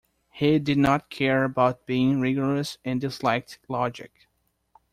He did not care about being rigorous and disliked logic.